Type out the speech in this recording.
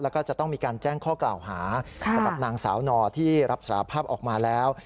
แล้วก็จะต้องมีการแจ้งข้อกล่าวหาสำหรับนางสาวนอที่รับสารภาพออกมาแล้ว